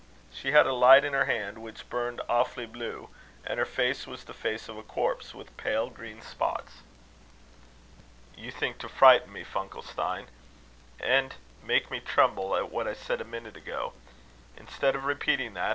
She had a light in her hand which burned awfully blue, and her face was the face of a corpse, with pale green spots." "You think to frighten me, Funkelstein, and make me tremble at what I said a minute ago. Instead of repeating that.